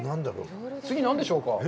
次、何でしょうか。